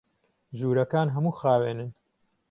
ژوورەکان هەموو خاوێنن.